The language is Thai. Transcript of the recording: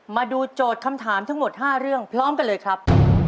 โจทย์คำถามทั้งหมด๕เรื่องพร้อมกันเลยครับ